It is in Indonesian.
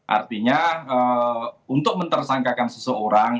artinya untuk mentersangkakan seseorang